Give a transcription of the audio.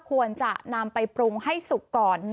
ควรจะนำไปปรุงให้สุกก่อน